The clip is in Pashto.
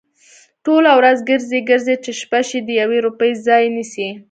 ټوله ورځ گرځي، گرځي؛ چې شپه شي د يوې روپۍ ځای نيسي؟